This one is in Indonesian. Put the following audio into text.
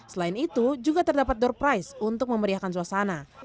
selain itu juga terdapat door price untuk memeriahkan suasana